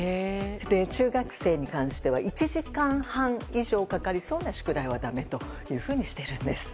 中学生に関しては１時間半以上かかりそうな宿題はだめとしているんです。